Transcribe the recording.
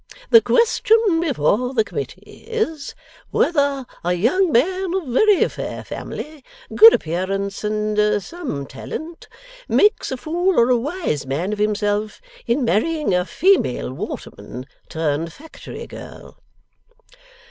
The question before the Committee is, whether a young man of very fair family, good appearance, and some talent, makes a fool or a wise man of himself in marrying a female waterman, turned factory girl.